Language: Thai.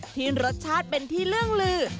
ที่รสชาติเป็นที่เรื่องลือ